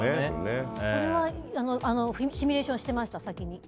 これはシミュレーションしてました。